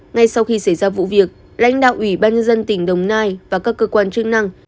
ngay sau khi xảy ra vụ việc lãnh đạo ủy ban nhân dân tỉnh đồng nai và các cơ quan chức năng